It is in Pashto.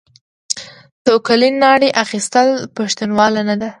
توکلې ناړې اخيستل؛ پښتنواله نه ده.